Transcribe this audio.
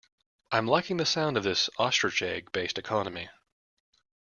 I'm liking the sound of this ostrich egg based economy.